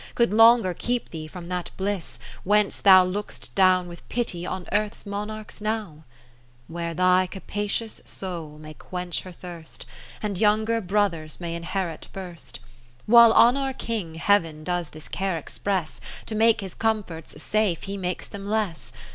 Could longer keep thee from that bliss, whence thou Look'st down with pity on Earth's Monarchs now ? Where thy capacious soul may quench her thirst. And younger brothers may inherit first. 60 While on our King Heav'n does this care express. To make his comforts safe he makes them less.